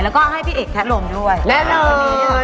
แล้วก็ให้พี่เอกแขะโหล่มด้วย